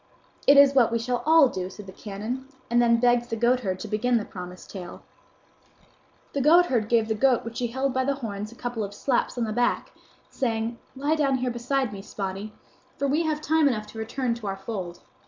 "It is what we shall all do," said the canon; and then begged the goatherd to begin the promised tale. The goatherd gave the goat which he held by the horns a couple of slaps on the back, saying, "Lie down here beside me, Spotty, for we have time enough to return to our fold."